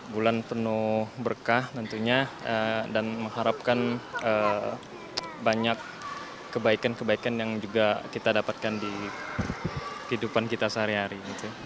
bulan penuh berkah tentunya dan mengharapkan banyak kebaikan kebaikan yang juga kita dapatkan di kehidupan kita sehari hari